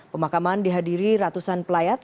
pemakaman dihadiri ratusan pelayat